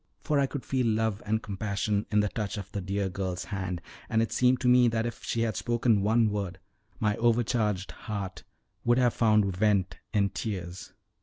For I could feel love and compassion in the touch of the dear girl's hand, and it seemed to me that if she had spoken one word, my overcharged heart would have found vent in tears.